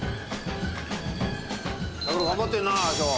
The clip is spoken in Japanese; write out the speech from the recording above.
卓郎頑張ってるな今日。